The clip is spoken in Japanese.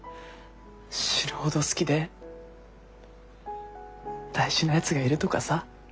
死ぬほど好きで大事なやつがいるとかさ。